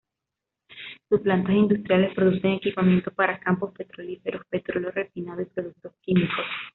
Sus plantas industriales producen equipamiento para campos petrolíferos, petróleo refinado y productos químicos.